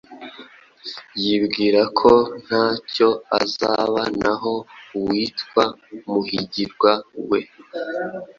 yibwira ko nta cyo azaba naho uwitwa Muhigirwa we